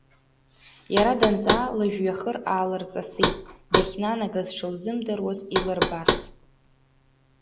Иара данҵаа, лыжәҩахыр аалырҵасит, дахьнанагаз шылзымдыруаз илырбарц.